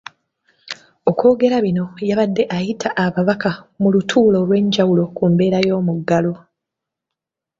Okwogera bino yabadde ayita ababaka mu lutuula olw’enjawulo ku mbeera y’omuggalo.